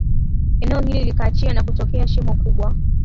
eneo hili likaachia na kutokea shimo kubwa